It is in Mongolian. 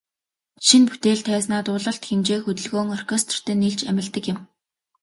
Шинэ бүтээл тайзнаа дуулалт, хэмжээ, хөдөлгөөн, оркестертэй нийлж амилдаг юм.